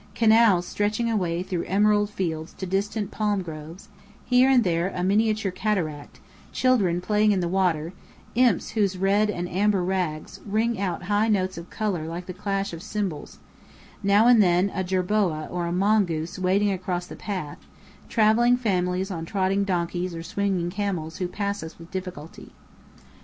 Canals stretching away through emerald fields to distant palm groves; here and there a miniature cataract; children playing in the water, imps whose red and amber rags ring out high notes of colour like the clash of cymbals; now and then a jerboa or a mongoose waddling across the path; travelling families on trotting donkeys or swinging camels who pass us with difficulty.